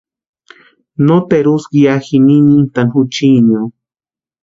Nóteru úska ya ji nintʼani juchinio.